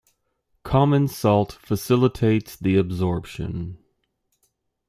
Common salt facilitates the absorption.